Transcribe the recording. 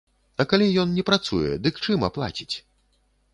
А калі ён не працуе, дык, чым аплаціць?